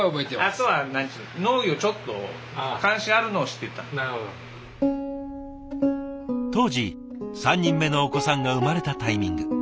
あとは当時３人目のお子さんが生まれたタイミング。